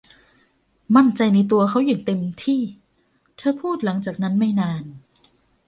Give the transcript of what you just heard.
มั่นใจในตัวเขาอย่างเต็มที่ เธอพูดหลังจากนั้นไม่นาน.